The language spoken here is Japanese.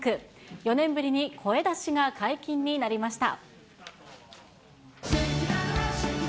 ４年ぶりに声出しが解禁になりました。